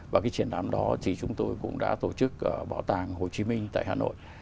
và cái triển lãm đó thì chúng tôi cũng đã tổ chức ở bảo tàng hồ chí minh tại hà nội